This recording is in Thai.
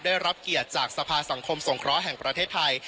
ได้รับเกียรติจากสภาสังคมสงเคราะห์แห่งประเทศไทย